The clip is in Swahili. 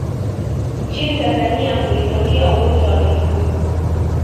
nchini tanzania kulitokea ugonjwa wa mifugo